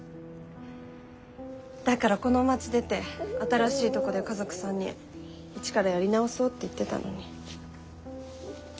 だからこの街出て新しいとこで家族３人一からやり直そうって言ってたのに。